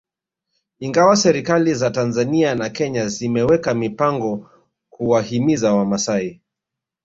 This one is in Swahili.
Ingawa serikali za Tanzania na Kenya zimeweka mipango kuwahimiza Wamasai